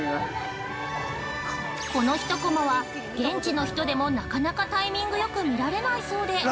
◆この一コマは、現地の人でもなかなかタイミングよく見られないそうで。